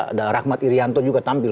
ada rahmat irianto juga tampil